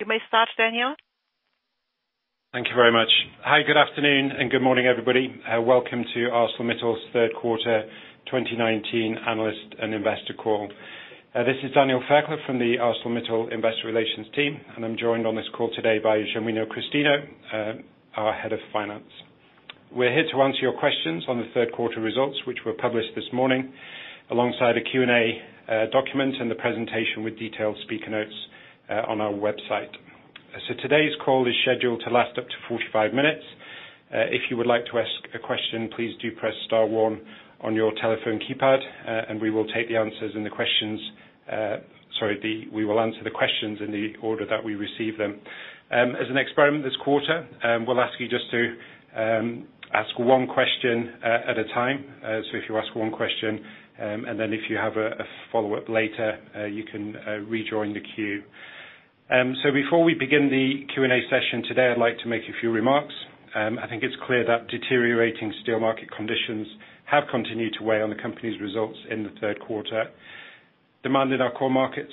You may start, Daniel. Thank you very much. Hi, good afternoon, and good morning, everybody. Welcome to ArcelorMittal's third quarter 2019 analyst and investor call. This is Daniel Fairclough from the ArcelorMittal Investor Relations team, and I'm joined on this call today by Genuino Christino, our head of finance. We're here to answer your questions on the third quarter results, which were published this morning, alongside a Q&A document and the presentation with detailed speaker notes on our website. Today's call is scheduled to last up to 45 minutes. If you would like to ask a question, please do press star one on your telephone keypad, and we will answer the questions in the order that we receive them. As an experiment this quarter, we'll ask you just to ask one question at a time. If you ask one question, and then if you have a follow-up later, you can rejoin the queue. Before we begin the Q&A session today, I'd like to make a few remarks. I think it's clear that deteriorating steel market conditions have continued to weigh on the company's results in the third quarter. Demand in our core markets,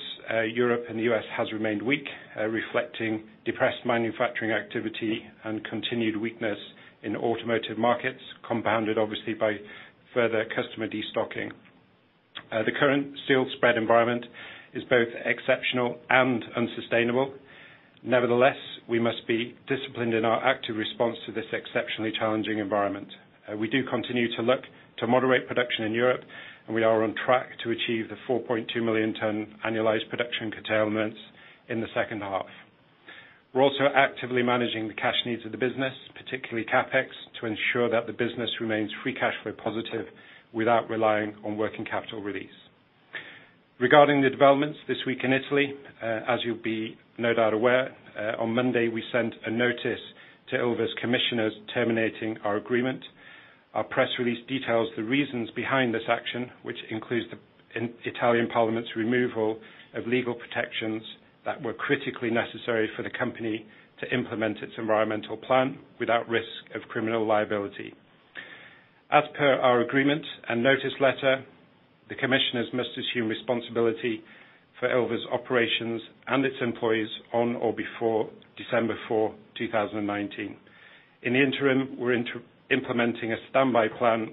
Europe and the U.S., has remained weak, reflecting depressed manufacturing activity and continued weakness in automotive markets, compounded obviously by further customer destocking. The current steel spread environment is both exceptional and unsustainable. Nevertheless, we must be disciplined in our active response to this exceptionally challenging environment. We do continue to look to moderate production in Europe, and we are on track to achieve the 4.2 million ton annualized production curtailments in the second half. We're also actively managing the cash needs of the business, particularly CapEx, to ensure that the business remains free cash flow positive without relying on working capital release. Regarding the developments this week in Italy, as you'll be no doubt aware, on Monday, we sent a notice to Ilva's commissioners terminating our agreement. Our press release details the reasons behind this action, which includes the Italian parliament's removal of legal protections that were critically necessary for the company to implement its environmental plan without risk of criminal liability. As per our agreement and notice letter, the commissioners must assume responsibility for Ilva's operations and its employees on or before December four, 2019. In the interim, we're implementing a standby plan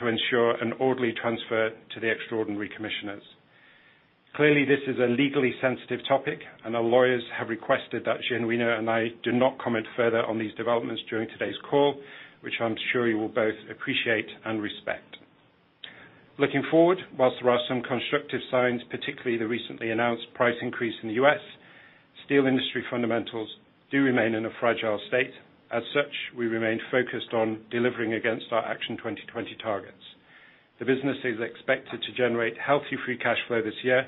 to ensure an orderly transfer to the extraordinary commissioners. Clearly, this is a legally sensitive topic, and our lawyers have requested that Genuino and I do not comment further on these developments during today's call, which I'm sure you will both appreciate and respect. Looking forward, whilst there are some constructive signs, particularly the recently announced price increase in the U.S., steel industry fundamentals do remain in a fragile state. As such, we remain focused on delivering against our Action 2020 targets. The business is expected to generate healthy free cash flow this year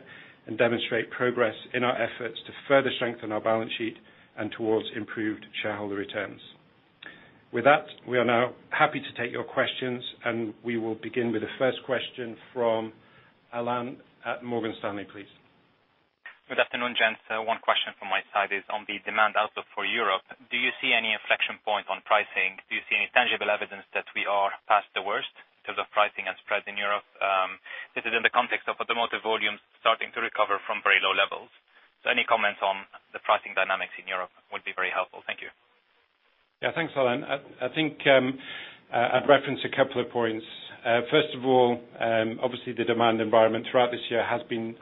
and demonstrate progress in our efforts to further strengthen our balance sheet and towards improved shareholder returns. With that, we are now happy to take your questions, and we will begin with the first question from Alain at Morgan Stanley, please. Good afternoon, gents. One question from my side is on the demand outlook for Europe. Do you see any inflection point on pricing? Do you see any tangible evidence that we are past the worst in terms of pricing and spreads in Europe? This is in the context of automotive volumes starting to recover from very low levels. Any comments on the pricing dynamics in Europe would be very helpful. Thank you. Yeah, thanks, Alain. I think I'd reference a couple of points. First of all, obviously the demand environment throughout this year has been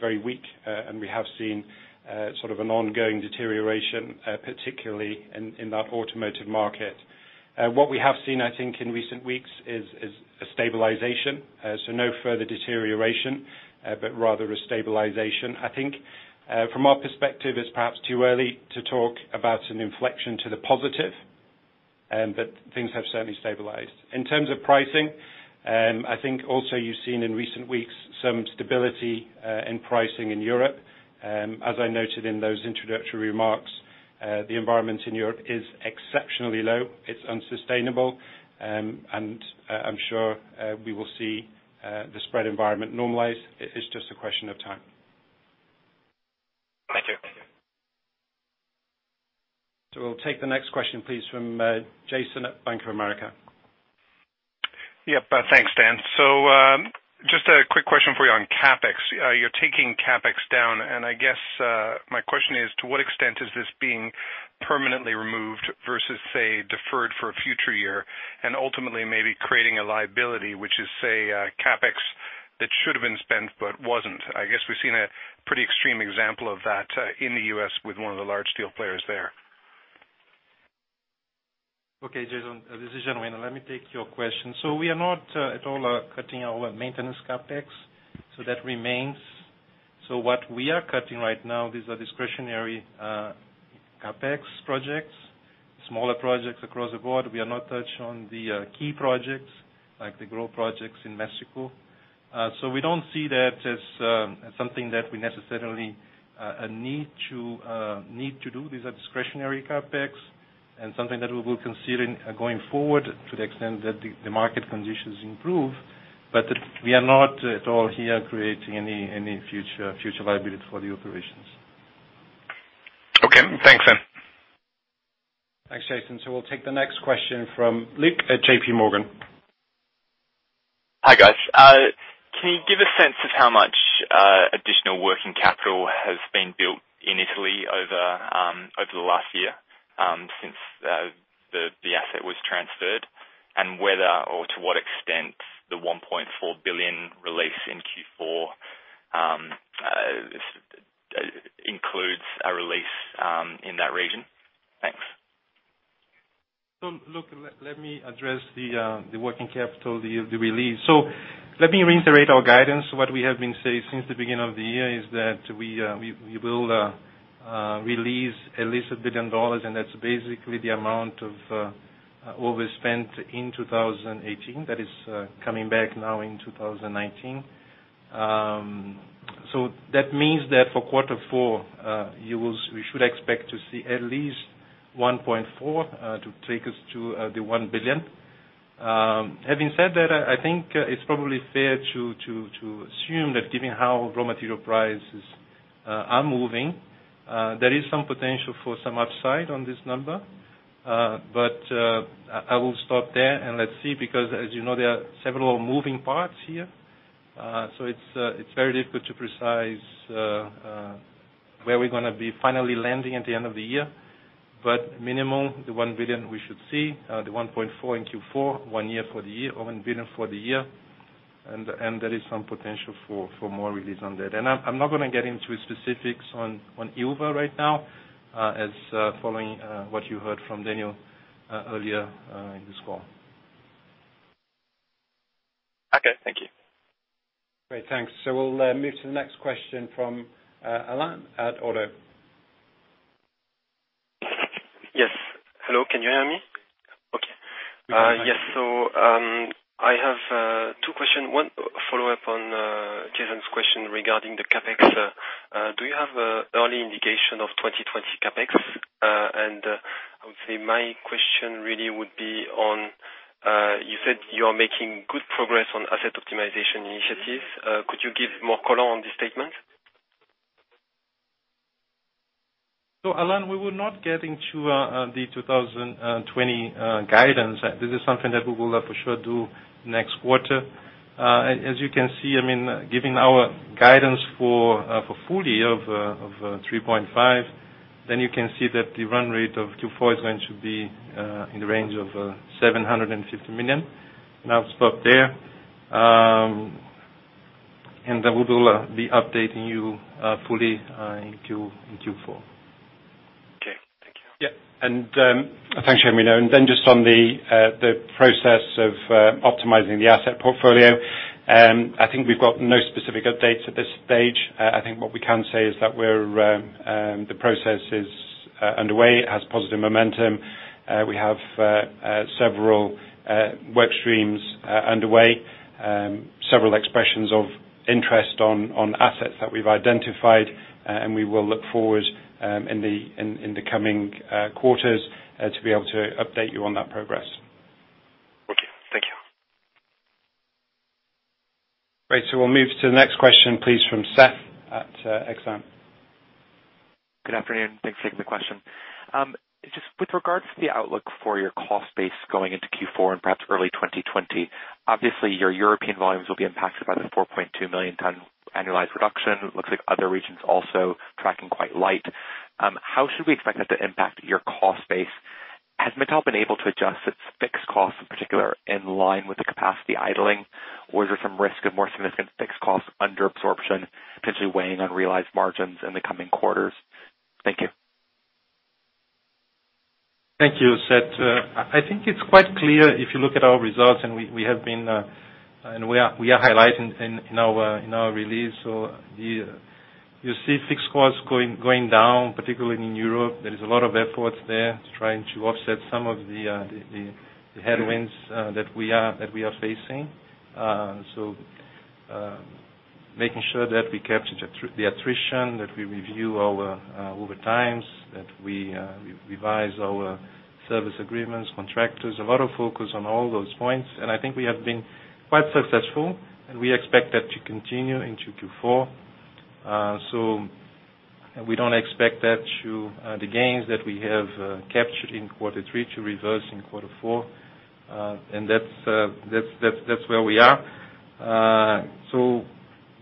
very weak, and we have seen an ongoing deterioration, particularly in that automotive market. What we have seen, I think, in recent weeks is a stabilization. No further deterioration, but rather a stabilization. I think from our perspective, it's perhaps too early to talk about an inflection to the positive, but things have certainly stabilized. In terms of pricing, I think also you've seen in recent weeks some stability in pricing in Europe. As I noted in those introductory remarks, the environment in Europe is exceptionally low. It's unsustainable, and I'm sure we will see the spread environment normalize. It is just a question of time. Thank you. We'll take the next question, please, from Jason at Bank of America. Yep. Thanks, Dan. Just a quick question for you on CapEx. You're taking CapEx down, and I guess my question is, to what extent is this being permanently removed versus, say, deferred for a future year and ultimately maybe creating a liability, which is, say, CapEx that should have been spent but wasn't? I guess we've seen a pretty extreme example of that in the U.S. with one of the large steel players there. Okay, Jason, this is Genuino. Let me take your question. We are not at all cutting our maintenance CapEx. That remains. What we are cutting right now is the discretionary CapEx projects, smaller projects across the board. We have not touched on the key projects, like the growth projects in Mexico. We don't see that as something that we necessarily need to do. These are discretionary CapEx and something that we will consider going forward to the extent that the market conditions improve. We are not at all here creating any future liability for the operations. Okay. Thanks Dan. Thanks, Jason. We'll take the next question from Luke at J.P. Morgan. Hi, guys. Can you give a sense of how much additional working capital has been built in Italy over the last year since the asset was transferred, and whether or to what extent the $1.4 billion release in Q4 includes a release in that region? Thanks. Luke, let me address the working capital, the release. Let me reiterate our guidance. What we have been saying since the beginning of the year is that we will release at least $1 billion, and that's basically the amount of overspend in 2018 that is coming back now in 2019. That means that for quarter four, we should expect to see at least $1.4 to take us to the $1 billion. Having said that, I think it's probably fair to assume that given how raw material prices are moving, there is some potential for some upside on this number. I will stop there and let's see, because as you know, there are several moving parts here. It's very difficult to precise where we're going to be finally landing at the end of the year. Minimum, the $1 billion we should see, the $1.4 in Q4, 1 year for the year or $1 billion for the year, and there is some potential for more release on that. I'm not going to get into specifics on Ilva right now, as following what you heard from Daniel earlier in this call. Okay, thank you. Great, thanks. We'll move to the next question from Emiliano at ODDO. Yes. Hello, can you hear me? Okay. We can. Yes. I have two question. One follow-up on Jason's question regarding the CapEx. Do you have early indication of 2020 CapEx? I would say my question really would be on, you said you are making good progress on asset optimization initiatives. Could you give more color on this statement? Emiliano, we will not get into the 2020 guidance. This is something that we will for sure do next quarter. As you can see, giving our guidance for full year of 3.5, then you can see that the run rate of Q4 is going to be in the range of $750 million. I'll stop there. We will be updating you fully in Q4. Okay. Thank you. Yeah. Thanks, Emiliano. Just on the process of optimizing the asset portfolio, I think we've got no specific updates at this stage. I think what we can say is that the process is underway. It has positive momentum. We have several work streams underway, several expressions of interest on assets that we've identified, and we will look forward in the coming quarters to be able to update you on that progress. Okay. Thank you. Great. We'll move to the next question please, from Seth at Exane. Good afternoon. Thanks for taking the question. Just with regards to the outlook for your cost base going into Q4 and perhaps early 2020, obviously your European volumes will be impacted by the 4.2 million ton annualized reduction. Looks like other regions also tracking quite light. How should we expect that to impact your cost base? Has Mittal been able to adjust its fixed costs, in particular, in line with the capacity idling, or is there some risk of more significant fixed costs under absorption potentially weighing on realized margins in the coming quarters? Thank you. Thank you, Seth. I think it's quite clear if you look at our results, we are highlighting in our release. You see fixed costs going down, particularly in Europe. There is a lot of efforts there to try and to offset some of the headwinds that we are facing. Making sure that we capture the attrition, that we review our overtimes, that we revise our service agreements, contractors, a lot of focus on all those points. I think we have been quite successful, and we expect that to continue into Q4. We don't expect the gains that we have captured in quarter three to reverse in quarter four. That's where we are.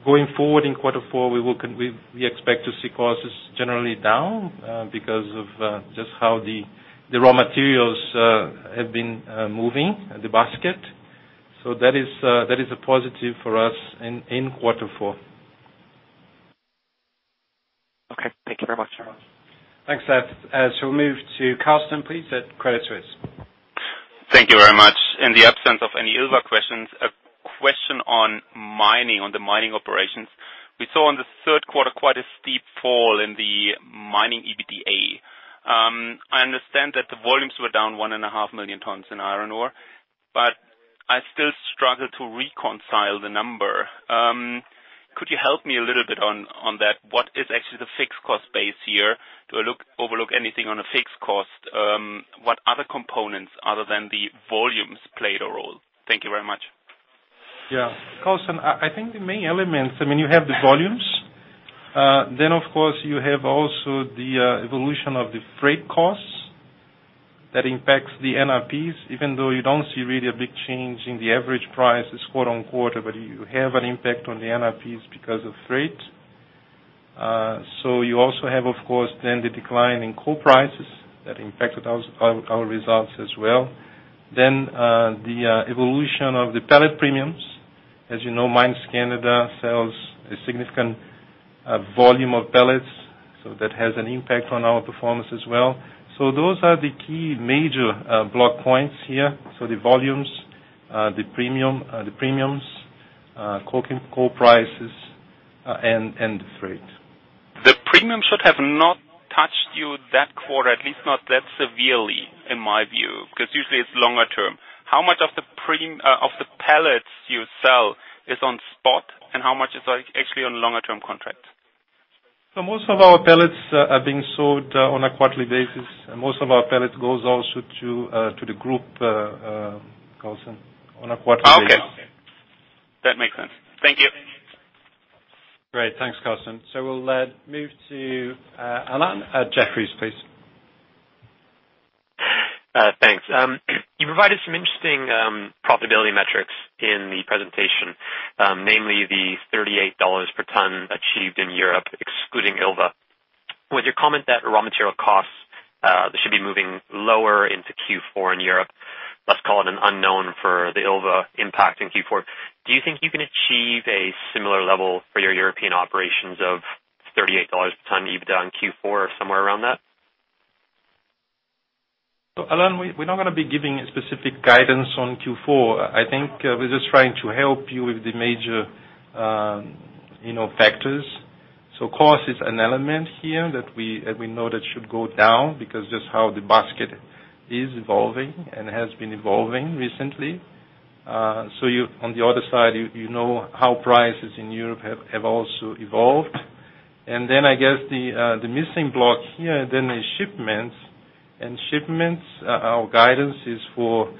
Going forward in quarter four, we expect to see costs generally down because of just how the raw materials have been moving, the basket. That is a positive for us in quarter four. Okay. Thank you very much. Thanks, Seth. We'll move to Carsten, please, at Credit Suisse. Thank you very much. In the absence of any Ilva questions, a question on the mining operations. We saw on the third quarter quite a steep fall in the mining EBITDA. I understand that the volumes were down 1.5 million tons in iron ore, but I still struggle to reconcile the number. Could you help me a little bit on that? What is actually the fixed cost base here? Do I overlook anything on a fixed cost? What other components other than the volumes played a role? Thank you very much. Yeah. Carsten, I think the main elements, you have the volumes. Of course, you have also the evolution of the freight costs that impacts the NRPs, even though you don't see really a big change in the average price quarter on quarter, but you have an impact on the NRPs because of freight. You also have, of course, then the decline in coal prices that impacted our results as well. The evolution of the pellet premiums. As you know, Mines Canada sells a significant volume of pellets, so that has an impact on our performance as well. Those are the key major block points here. The volumes, the premiums, coking coal prices, and the freight. The premium should have not touched you that quarter, at least not that severely, in my view, because usually it's longer term. How much of the pellets you sell is on spot, and how much is actually on longer-term contracts? Most of our pellets are being sold on a quarterly basis, and most of our pellets goes also to the group, Carsten, on a quarterly basis. Okay. That makes sense. Thank you. Great. Thanks, Carsten. We'll move to Alan at Jefferies, please. Thanks. You provided some interesting profitability metrics in the presentation, namely the $38 per ton achieved in Europe, excluding Ilva. With your comment that raw material costs should be moving lower into Q4 in Europe, let's call it an unknown for the Ilva impact in Q4. Do you think you can achieve a similar level for your European operations of $38 per ton EBITDA Q4 or somewhere around that? Alan, we're not going to be giving specific guidance on Q4. I think we're just trying to help you with the major factors. Cost is an element here that we know that should go down because just how the basket is evolving and has been evolving recently. On the other side, you know how prices in Europe have also evolved. I guess the missing block here is shipments. Shipments, our guidance is on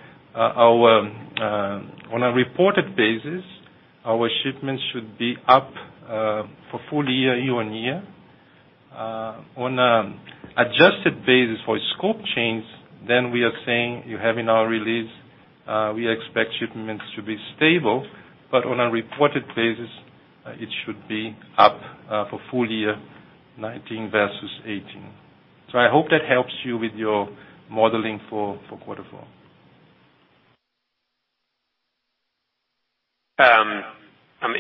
a reported basis, our shipments should be up for full year year-on-year. On an adjusted basis for scope chains, we are saying, you have in our release, we expect shipments to be stable. On a reported basis, it should be up for full year 2019 versus 2018. I hope that helps you with your modeling for quarter four.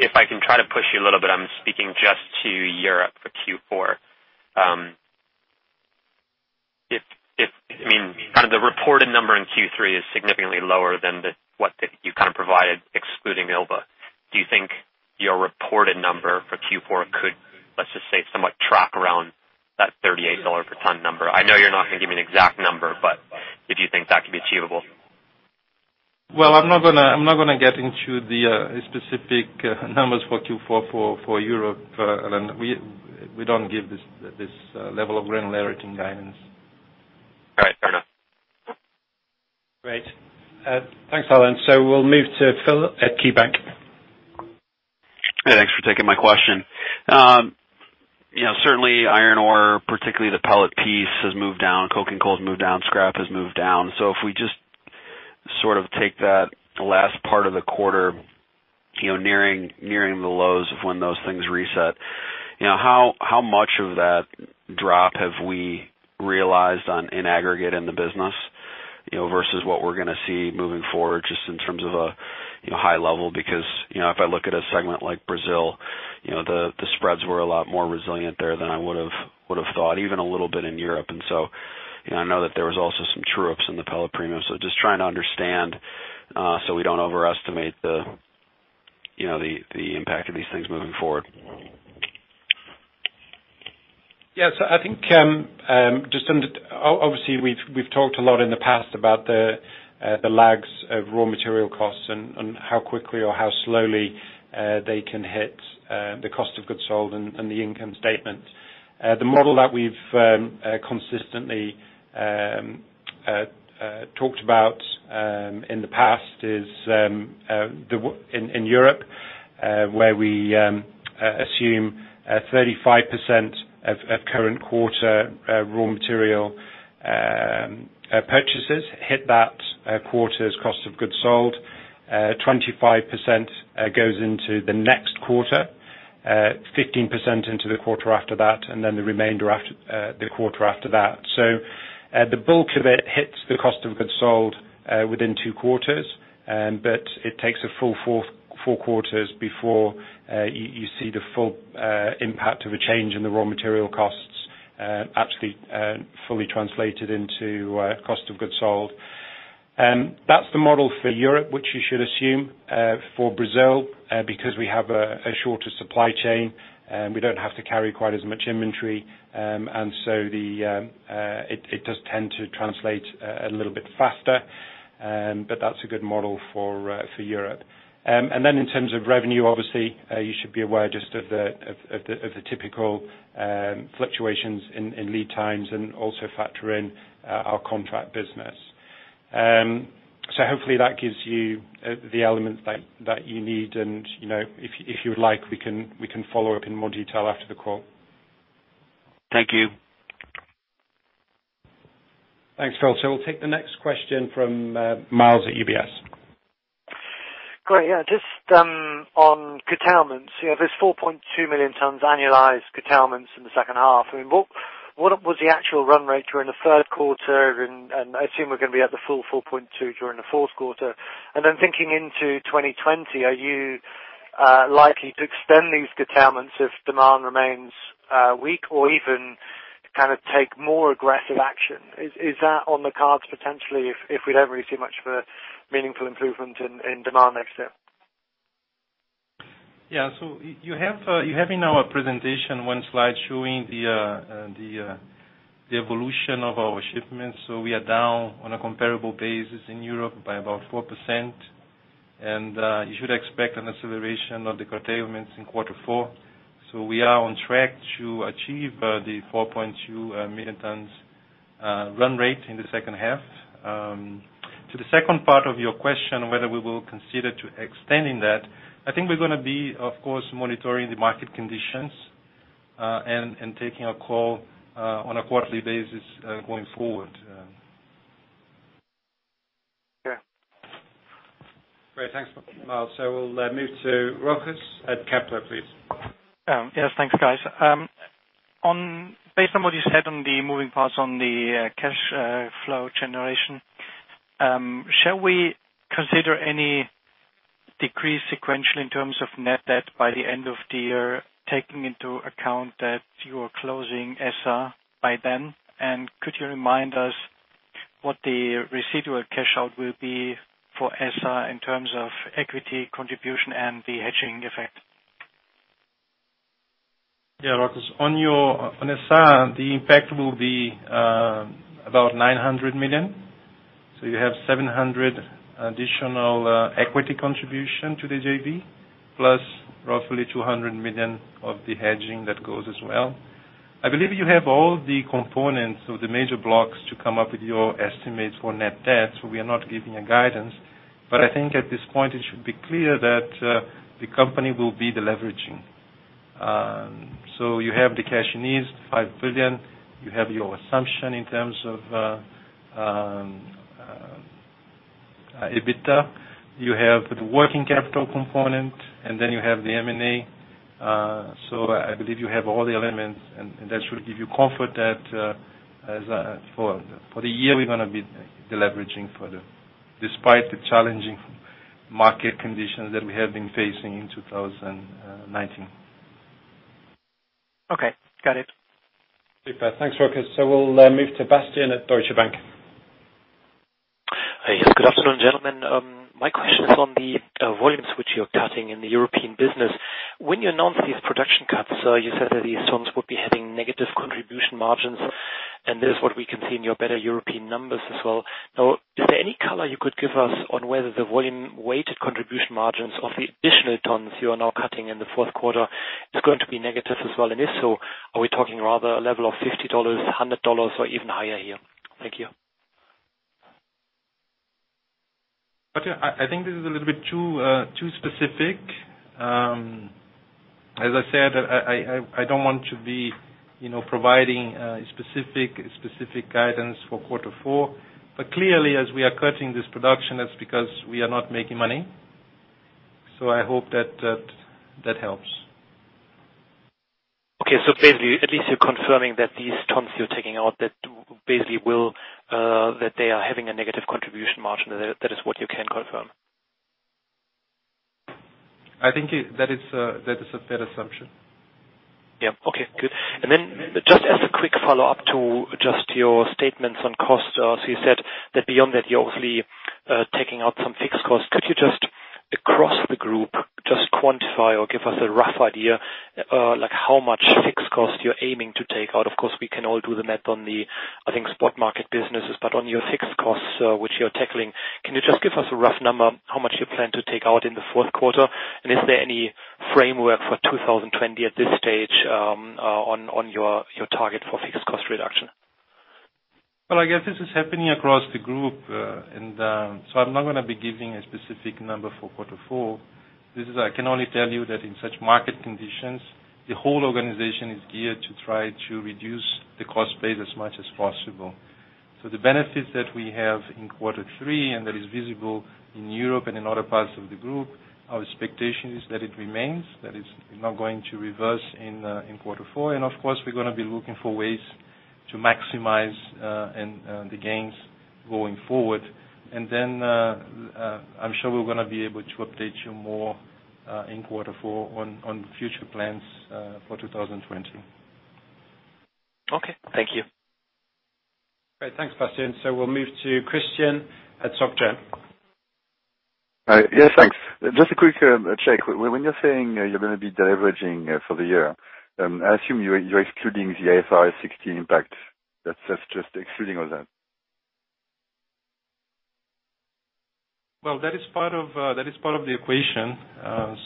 If I can try to push you a little bit, I'm speaking just to Europe for Q4. The reported number in Q3 is significantly lower than what you provided excluding Ilva. Do you think your reported number for Q4 could, let's just say, somewhat track around that $38 per ton number? I know you're not going to give me an exact number, but if you think that could be achievable. I'm not going to get into the specific numbers for Q4 for Europe, Alan. We don't give this level of granularity in guidance. All right. Fair enough. Great. Thanks, Alan. We'll move to Phil at KeyBanc. Thanks for taking my question. Certainly iron ore, particularly the pellet piece, has moved down. Coking coal has moved down, scrap has moved down. If we just take that last part of the quarter, nearing the lows of when those things reset. How much of that drop have we realized in aggregate in the business versus what we're going to see moving forward, just in terms of a high level? If I look at a segment like Brazil, the spreads were a lot more resilient there than I would've thought, even a little bit in Europe. I know that there was also some true-ups in the pellet premium. Just trying to understand so we don't overestimate the impact of these things moving forward. Yeah. I think, obviously, we've talked a lot in the past about the lags of raw material costs and how quickly or how slowly they can hit the cost of goods sold and the income statement. The model that we've consistently talked about in the past is in Europe, where we assume 35% of current quarter raw material purchases hit that quarter's cost of goods sold, 25% goes into the next quarter, 15% into the quarter after that, and then the remainder the quarter after that. The bulk of it hits the cost of goods sold within two quarters, but it takes a full four quarters before you see the full impact of a change in the raw material costs actually fully translated into cost of goods sold. That's the model for Europe, which you should assume. For Brazil, because we have a shorter supply chain, we don't have to carry quite as much inventory. It does tend to translate a little bit faster. That's a good model for Europe. In terms of revenue, obviously, you should be aware just of the typical fluctuations in lead times and also factor in our contract business. Hopefully that gives you the element that you need and if you would like, we can follow up in more detail after the call. Thank you. Thanks, Phil. We'll take the next question from Myles at UBS. Great. Yeah, just on curtailments. There's 4.2 million tons annualized curtailments in the second half. What was the actual run rate during the third quarter? I assume we're going to be at the full 4.2 during the fourth quarter. Thinking into 2020, are you likely to extend these curtailments if demand remains weak or even take more aggressive action? Is that on the cards potentially if we don't really see much of a meaningful improvement in demand next year? You have in our presentation one slide showing the evolution of our shipments. We are down on a comparable basis in Europe by about 4%, and you should expect an acceleration of the curtailments in Q4. We are on track to achieve the 4.2 million tons run rate in the second half. To the second part of your question, whether we will consider to extending that, I think we're going to be, of course, monitoring the market conditions, and taking a call on a quarterly basis going forward. Okay. Great. Thanks, Myles. We'll move to Rochus at Kepler, please. Yes, thanks, guys. Based on what you said on the moving parts on the cash flow generation, shall we consider any decrease sequentially in terms of net debt by the end of the year, taking into account that you are closing Essar by then? Could you remind us what the residual cash out will be for Essar in terms of equity contribution and the hedging effect? Yeah, Rochus. On Essar, the impact will be about $900 million. You have $700 additional equity contribution to the JV, plus roughly $200 million of the hedging that goes as well. I believe you have all the components of the major blocks to come up with your estimates for net debt. We are not giving a guidance. I think at this point, it should be clear that the company will be deleveraging. You have the cash needs, $5 billion, you have your assumption in terms of EBITDA, you have the working capital component, and then you have the M&A. I believe you have all the elements, and that should give you comfort that for the year, we're going to be deleveraging further despite the challenging market conditions that we have been facing in 2019. Okay. Got it. Super. Thanks, Rochus. We'll move to Bastian at Deutsche Bank. Yes. Good afternoon, gentlemen. My question is on the volumes which you're cutting in the European business. When you announced these production cuts, you said that these tons would be having negative contribution margins, and this is what we can see in your better European numbers as well. Now, is there any color you could give us on whether the volume weighted contribution margins of the additional tons you are now cutting in the fourth quarter is going to be negative as well? If so, are we talking rather a level of $50, $100, or even higher here? Thank you. Bastian, I think this is a little bit too specific. As I said, I don't want to be providing specific guidance for quarter four. Clearly, as we are cutting this production, that's because we are not making money. I hope that helps. Okay. Basically, at least you're confirming that these tons you're taking out, that they are having a negative contribution margin. That is what you can confirm. I think that is a fair assumption. Yeah. Okay, good. Just as a quick follow-up to just your statements on costs, you said that beyond that, you're obviously taking out some fixed costs. Could you just, across the group, just quantify or give us a rough idea, like how much fixed cost you're aiming to take out? Of course, we can all do the math on the, I think, spot market businesses. On your fixed costs, which you're tackling, can you just give us a rough number, how much you plan to take out in the fourth quarter? Is there any framework for 2020 at this stage, on your target for fixed cost reduction? I guess this is happening across the group. I'm not going to be giving a specific number for quarter four. I can only tell you that in such market conditions, the whole organization is geared to try to reduce the cost base as much as possible. The benefits that we have in quarter three, and that is visible in Europe and in other parts of the group, our expectation is that it remains, that it's not going to reverse in quarter four. Of course, we're going to be looking for ways to maximize the gains going forward. I'm sure we're going to be able to update you more in quarter four on future plans for 2020. Okay. Thank you. Great. Thanks, Bastian. We'll move to Christian at Societe Generale. Yes, thanks. Just a quick check. When you're saying you're going to be deleveraging for the year, I assume you're excluding the IFRS 16 impact? That's just excluding all that. Well, that is part of the equation.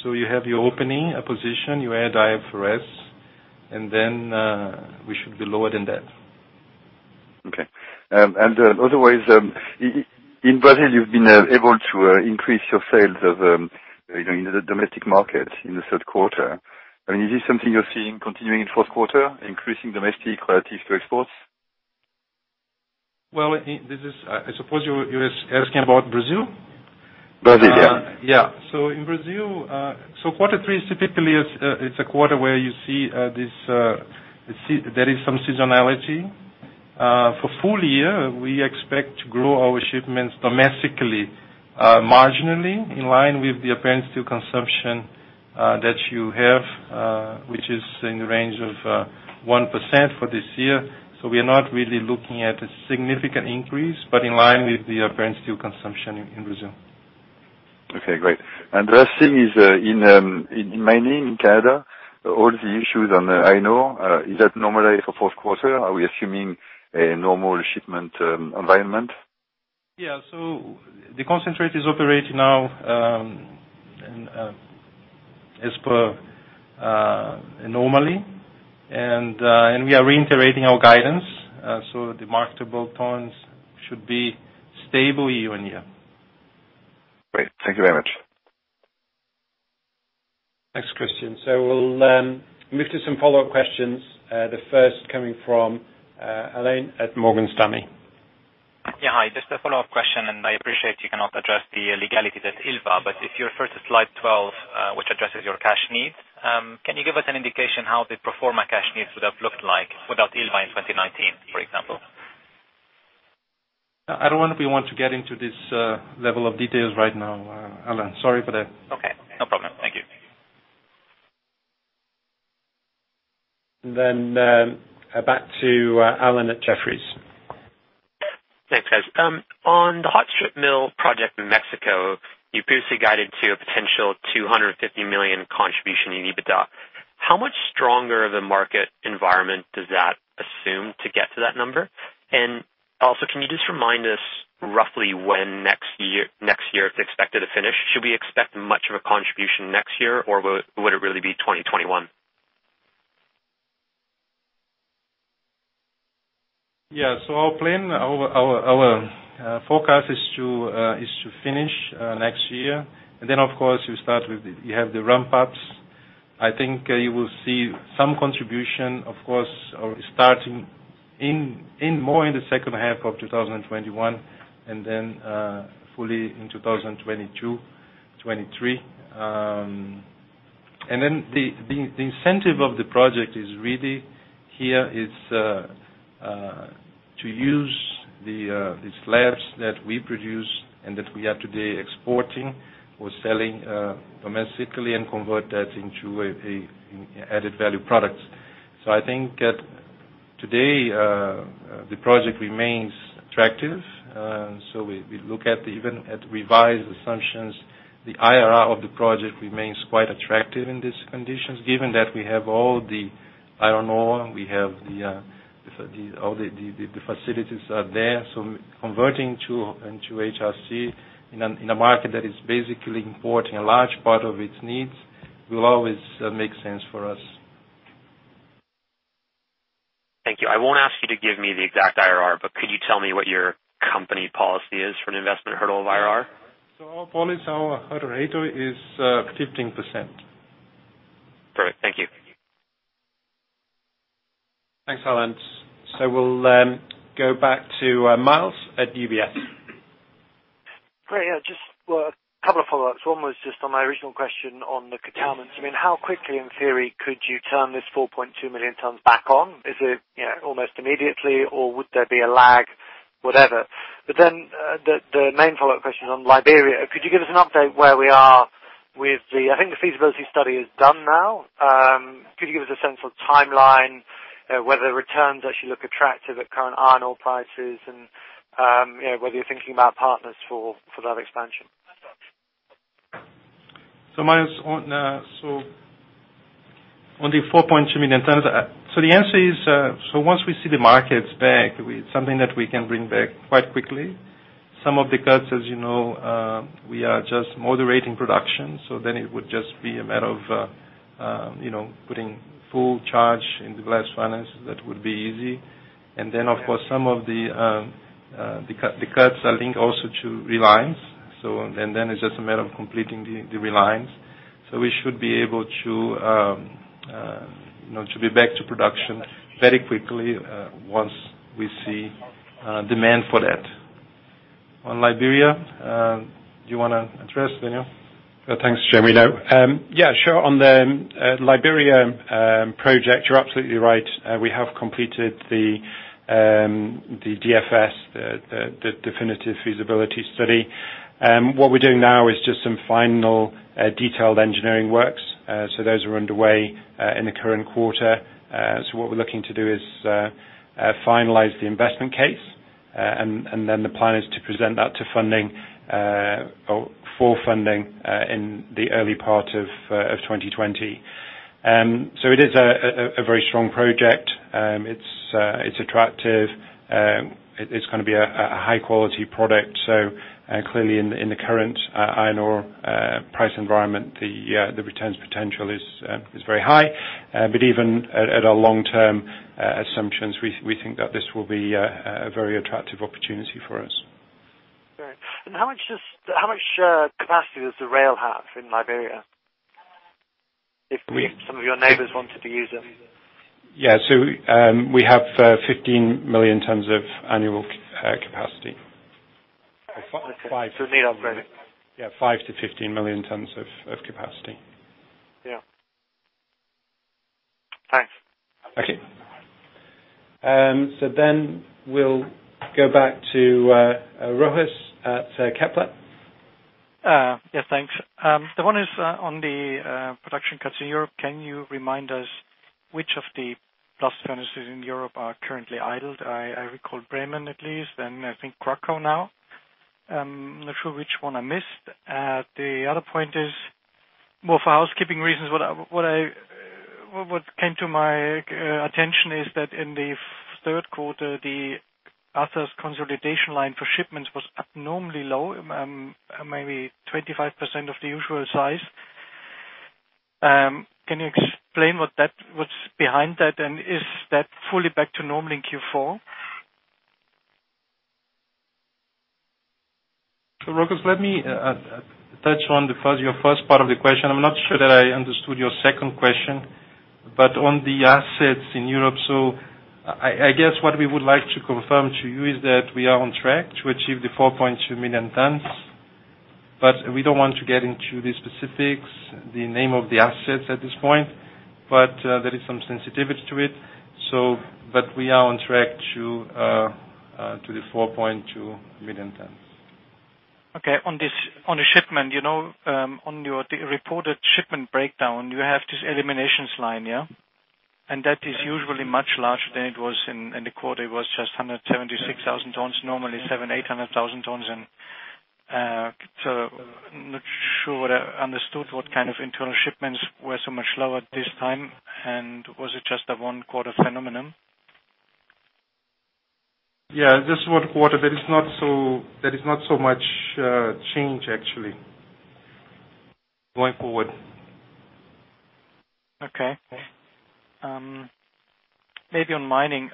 You have your opening position, you add IFRS, and then we should be lower than that. Otherwise, in Brazil, you've been able to increase your sales of the domestic market in the third quarter. Is this something you're seeing continuing in fourth quarter, increasing domestic relative to exports? Well, I suppose you're asking about Brazil? Brazil, yeah. Yeah. In Brazil, quarter three is typically a quarter where you see there is some seasonality. For full year, we expect to grow our shipments domestically, marginally, in line with the apparent steel consumption, that you have, which is in the range of 1% for this year. We are not really looking at a significant increase, but in line with the apparent steel consumption in Brazil. Okay, great. The last thing is, in mining in Canada, all the issues on the INO, is that normalized for fourth quarter? Are we assuming a normal shipment environment? Yeah. The concentrate is operating now as per normally. We are reiterating our guidance. The mark to book tons should be stable year-on-year. Great. Thank you very much. Thanks, Christian. We'll move to some follow-up questions, the first coming from Alain at Morgan Stanley. Yeah. Hi, just a follow-up question, and I appreciate you cannot address the legality that's Ilva, but if you refer to slide 12, which addresses your cash needs, can you give us an indication how the pro forma cash needs would have looked like without Ilva in 2019, for example? I don't know if we want to get into this level of details right now, Alain. Sorry for that. Okay. No problem. Thank you. Back to Alan at Jefferies. Thanks, guys. On the hot strip mill project in Mexico, you previously guided to a potential $250 million contribution in EBITDA. How much stronger of a market environment does that assume to get to that number? Also, can you just remind us roughly when next year it's expected to finish? Should we expect much of a contribution next year, or would it really be 2021? Yeah. Our plan, our forecast is to finish next year. Of course, you have the ramp-ups. I think you will see some contribution, of course, starting more in the second half of 2021 and then fully in 2022, 2023. The incentive of the project here is to use the slabs that we produce and that we are today exporting or selling domestically and convert that into added value products. I think that today, the project remains attractive. We look even at revised assumptions, the IRR of the project remains quite attractive in these conditions, given that we have all the iron ore, all the facilities are there. Converting into HRC in a market that is basically importing a large part of its needs will always make sense for us. Thank you. I won't ask you to give me the exact IRR, could you tell me what your company policy is for an investment hurdle of IRR? Our policy, our hurdle rate is 15%. Great. Thank you. Thanks, Alan. We'll go back to Myles at UBS. Great. Yeah, just a couple of follow-ups. One was just on my original question on the catalysts. How quickly in theory could you turn this 4.2 million tons back on? Is it almost immediately or would there be a lag? Whatever. The main follow-up question is on Liberia. Could you give us an update where we are. I think the feasibility study is done now. Could you give us a sense of timeline, whether the returns actually look attractive at current iron ore prices and whether you're thinking about partners for that expansion? Myles, on the 4.2 million tons, the answer is, once we see the markets back, it's something that we can bring back quite quickly. Some of the cuts, as you know, we are just moderating production. It would just be a matter of putting full charge in the blast furnace. That would be easy. Of course, some of the cuts are linked also to relines. It's just a matter of completing the relines. We should be able to be back to production very quickly once we see demand for that. On Liberia, do you want to address, Daniel? Thanks, Genuino. Sure. On the Liberia project, you're absolutely right. We have completed the DFS, the definitive feasibility study. What we're doing now is just some final detailed engineering works. Those are underway in the current quarter. What we're looking to do is finalize the investment case, the plan is to present that for funding in the early part of 2020. It is a very strong project. It's attractive. It's going to be a high-quality product. Clearly in the current iron ore price environment, the returns potential is very high. Even at our long-term assumptions, we think that this will be a very attractive opportunity for us. Great. How much capacity does the rail have in Liberia if some of your neighbors wanted to use it? Yeah. We have 15 million tons of annual capacity. Okay. It needs upgrading. Yeah. 5 million tons-15 million tons of capacity. Yeah. Thanks. Okay. We'll go back to Rochus at Kepler. Yes, thanks. One is on the production cuts in Europe. Can you remind us which of the blast furnaces in Europe are currently idled? I recall Bremen at least, I think Krakow now. I'm not sure which one I missed. Other point is more for housekeeping reasons. What came to my attention is that in the third quarter, the assets consolidation line for shipments was abnormally low, maybe 25% of the usual size. Can you explain what's behind that, is that fully back to normal in Q4? Rochus, let me touch on your first part of the question. I'm not sure that I understood your second question, but on the assets in Europe. I guess what we would like to confirm to you is that we are on track to achieve the 4.2 million tons, but we don't want to get into the specifics, the name of the assets at this point. There is some sensitivity to it. We are on track to the 4.2 million tons. Okay, on the shipment on your reported shipment breakdown, you have this eliminations line, yeah? That is usually much larger than it was in the quarter. It was just 176,000 tons, normally 700,000-800,000 tons. I'm not sure whether I understood what kind of internal shipments were so much lower this time, and was it just a one-quarter phenomenon? Yeah, just one quarter. There is not so much change actually going forward. Okay. Maybe on mining,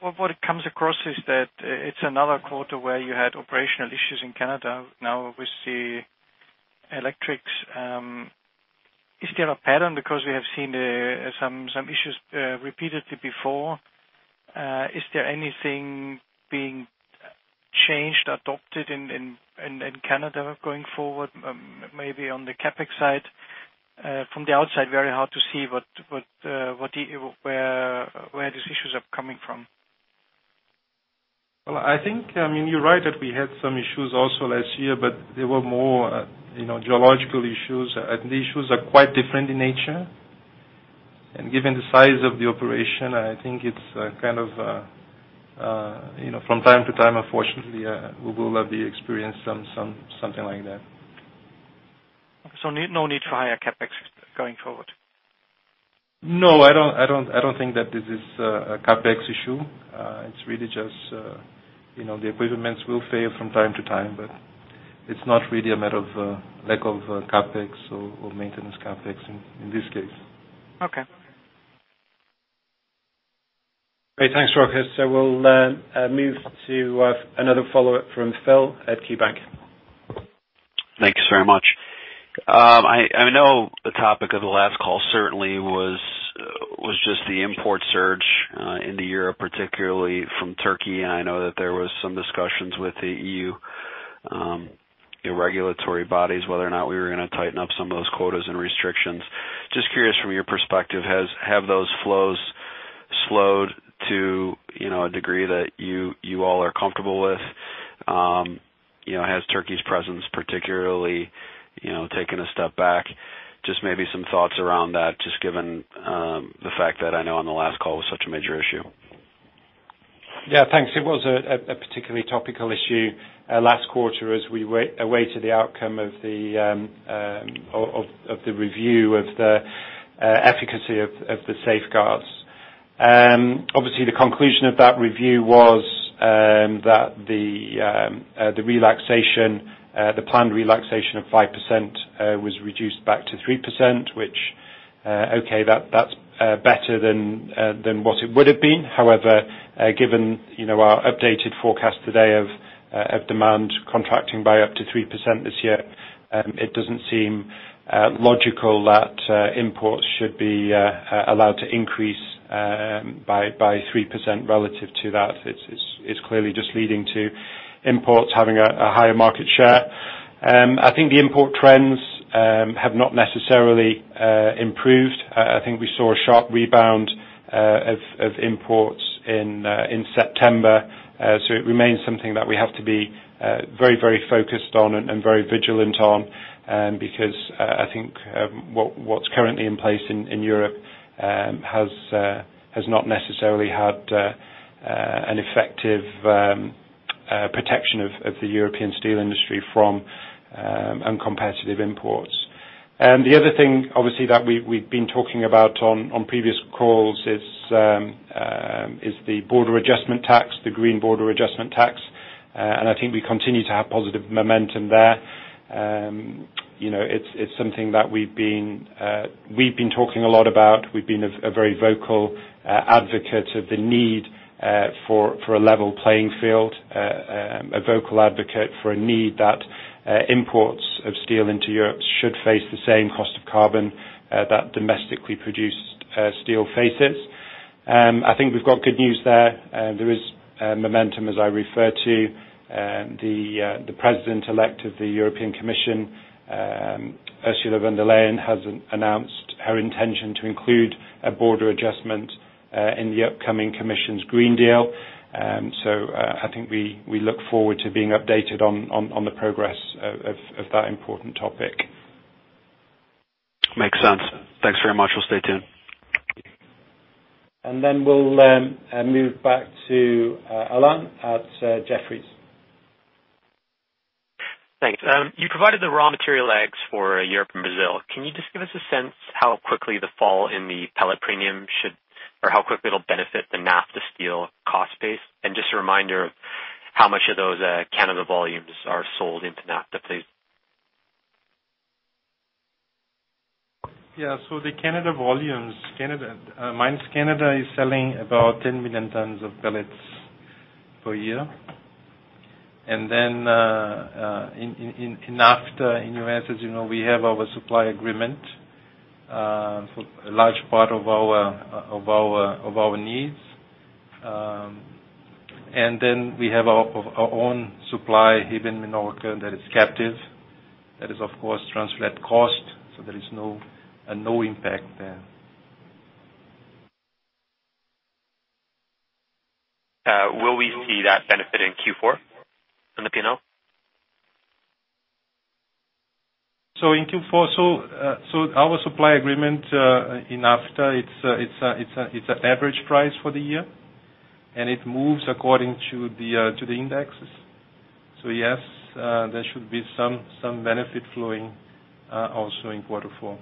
what comes across is that it's another quarter where you had operational issues in Canada. Now we see electrics. Is there a pattern because we have seen some issues repeatedly before? Is there anything being changed, adopted in Canada going forward? Maybe on the CapEx side? From the outside, very hard to see where these issues are coming from. Well, I think, you're right that we had some issues also last year, but they were more geological issues. The issues are quite different in nature. Given the size of the operation, I think it's kind of from time to time, unfortunately, we will be experiencing something like that. No need for higher CapEx going forward? No, I don't think that this is a CapEx issue. It's really just the equipment will fail from time to time. It's not really a matter of lack of CapEx or maintenance CapEx in this case. Okay. Great. Thanks, Rochus. We'll move to another follow-up from Phil at KeyBanc. Thanks very much. I know the topic of the last call certainly was just the import surge into Europe, particularly from Turkey, and I know that there was some discussions with the EU regulatory bodies, whether or not we were going to tighten up some of those quotas and restrictions. Just curious from your perspective, have those flows slowed to a degree that you all are comfortable with? Has Turkey's presence particularly taken a step back? Just maybe some thoughts around that, just given the fact that I know on the last call it was such a major issue. Thanks. It was a particularly topical issue last quarter as we awaited the outcome of the review of the efficacy of the safeguards. Obviously, the conclusion of that review was that the planned relaxation of 5% was reduced back to 3%, which okay, that's better than what it would have been. However, given our updated forecast today of demand contracting by up to 3% this year, it doesn't seem logical that imports should be allowed to increase by 3% relative to that. It's clearly just leading to imports having a higher market share. I think the import trends have not necessarily improved. I think we saw a sharp rebound of imports in September. It remains something that we have to be very focused on and very vigilant on, because I think what's currently in place in Europe has not necessarily had an effective protection of the European steel industry from uncompetitive imports. The other thing, obviously, that we've been talking about on previous calls is the border adjustment tax, the green border adjustment tax. I think we continue to have positive momentum there. It's something that we've been talking a lot about. We've been a very vocal advocate of the need for a level playing field, a vocal advocate for a need that imports of steel into Europe should face the same cost of carbon that domestically produced steel faces. I think we've got good news there. There is momentum, as I refer to the President-elect of the European Commission, Ursula von der Leyen, has announced her intention to include a border adjustment in the upcoming European Green Deal. I think we look forward to being updated on the progress of that important topic. Makes sense. Thanks very much. We'll stay tuned. We'll move back to Alan at Jefferies. Thanks. You provided the raw material acts for Europe and Brazil. Can you just give us a sense how quickly the fall in the pellet premium or how quickly it'll benefit the NAFTA steel cost base? Just a reminder of how much of those Canada volumes are sold into NAFTA, please. The Canada volumes. Mines Canada is selling about 10 million tons of pellets per year. In NAFTA, in U.S., as you know, we have our supply agreement, for a large part of our needs. We have our own supply, Hibbing Taconite, that is captive. That is, of course, translates cost, so there is no impact there. Will we see that benefit in Q4 in the P&L? In Q4, so our supply agreement, in NAFTA, it's an average price for the year, and it moves according to the indexes. Yes, there should be some benefit flowing, also in quarter four.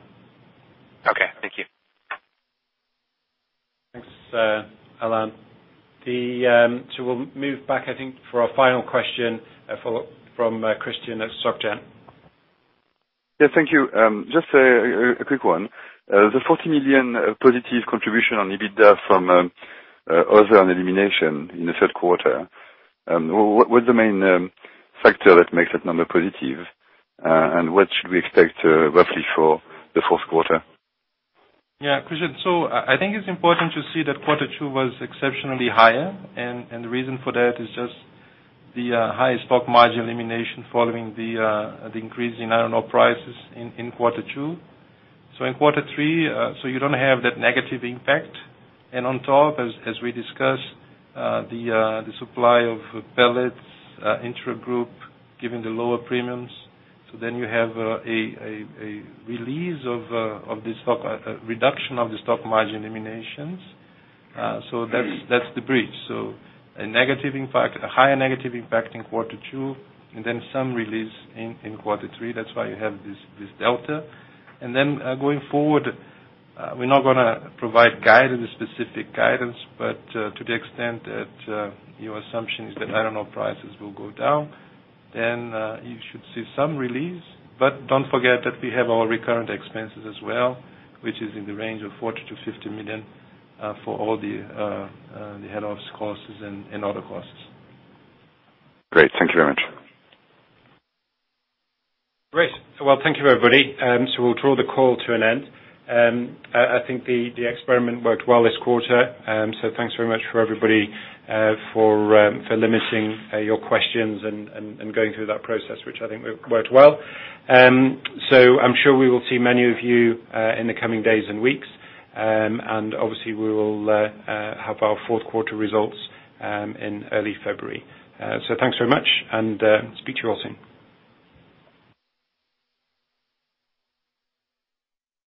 Okay, thank you. Thanks, Alan. We'll move back, I think, for our final question from Christian at Soc Gen. Yes, thank you. Just a quick one. The $40 million positive contribution on EBITDA from other and elimination in the third quarter, what's the main factor that makes that number positive? What should we expect roughly for the fourth quarter? Yeah, Christian, I think it's important to see that quarter 2 was exceptionally higher. The reason for that is just the high stock margin elimination following the increase in iron ore prices in quarter 2. In quarter 3, you don't have that negative impact. On top, as we discussed, the supply of pellets intragroup, given the lower premiums. You have a reduction of the stock margin eliminations. That's the bridge. A higher negative impact in quarter 2, some release in quarter 3. That's why you have this delta. Going forward, we're not gonna provide specific guidance, but to the extent that your assumption is that iron ore prices will go down, you should see some release. Don't forget that we have our recurrent expenses as well, which is in the range of $40 million to $50 million for all the head office costs and other costs. Great. Thank you very much. Great. Well, thank you, everybody. We'll draw the call to an end. I think the experiment worked well this quarter. Thanks very much for everybody for limiting your questions and going through that process, which I think worked well. I'm sure we will see many of you in the coming days and weeks. Obviously, we will have our fourth quarter results in early February. Thanks very much, and speak to you all soon.